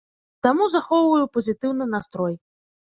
Таму захоўваю пазітыўны настрой.